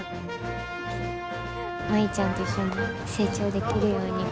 舞ちゃんと一緒に成長できるように。